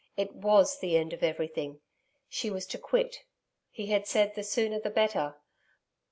It WAS the end of everything. She was to quit.... He had said, the sooner the better....